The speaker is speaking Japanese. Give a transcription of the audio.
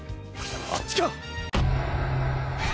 あっちか！